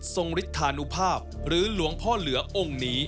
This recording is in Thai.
ฤทธานุภาพหรือหลวงพ่อเหลือองค์นี้